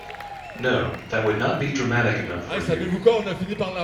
No, that would not be dramatic enough for you.